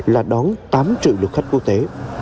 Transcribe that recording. là đón tám triệu lượt khách quốc tế